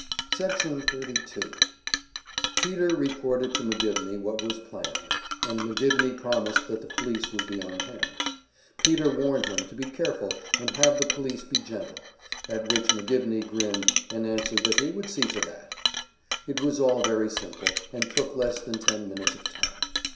Section 32 Peter reported to McGivney what was planned, and McGivney promised that the police would be on hand. Peter warned him to be careful and have the police be gentle; at which McGivney grinned, and answered that he would see to that. It was all very simple, and took less than ten minutes of time.